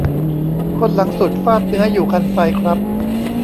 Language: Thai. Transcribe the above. คนหลังสุดฟาดเนื้ออยู่คันไซครับ